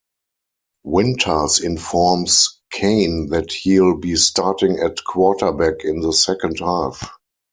Winters informs Kane that he'll be starting at quarterback in the second half.